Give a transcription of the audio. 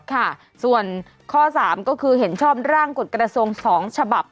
ค่ะส่วนข้อ๓ก็คือเห็นชอบร่างกฎกระทรวง๒ฉบับ